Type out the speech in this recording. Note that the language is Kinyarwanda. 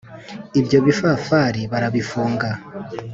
Ibyo bifafari barabifunga!